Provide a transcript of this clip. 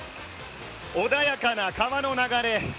穏やかな川の流れ。